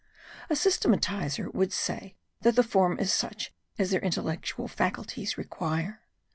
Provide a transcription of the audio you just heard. A systematizer would say that the form is such as their intellectual faculties require.